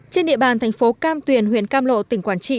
trên địa bàn thành phố cam tuyền huyện cam lộ tỉnh quảng trị